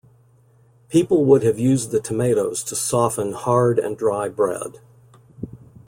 People would have used the tomatoes to soften hard and dry bread.